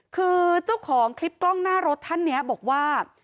คือเจ้าของคลิปกล้องหน้ารถท่านนี้บอกว่า